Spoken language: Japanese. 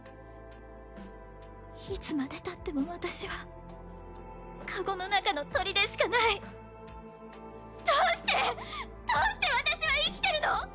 いつまでたっても私はカゴの中の鳥でしかないどうしてどうして私は生きてるの？